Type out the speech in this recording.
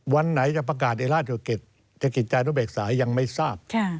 วันไหนจะประกาศในราชกิจจานุเบกษายังไม่ทราบ